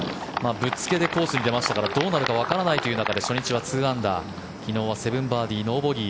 ぶっつけでコースに出ましたからどうなるかわからないという中で初日は２アンダー昨日は７バーディーノーボギー。